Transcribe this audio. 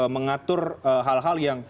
mengatur hal hal yang